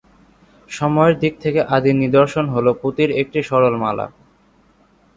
সময়ের দিক থেকে আদি নিদর্শন হলো পুঁতির একটি সরল মালা।